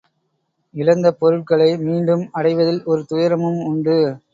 இழந்த பொருள்களை மீண்டும் அடைவதில் ஒரு துயரமும் உண்டு.